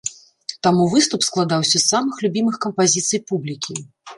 Таму выступ складаўся з самых любімых кампазіцый публікі.